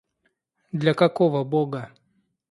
Для какого Бога?